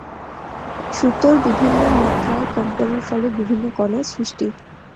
সুতোর বিভিন্ন মাত্রায় কম্পনের ফলে বিভিন্ন কণার সৃষ্টি।